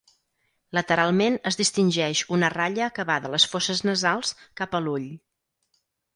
Lateralment es distingeix una ratlla que va de les fosses nasals cap a l'ull.